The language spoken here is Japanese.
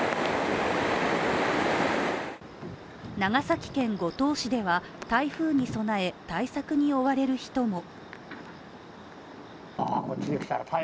長崎県五島市では、台風に備え対策に追われる人も。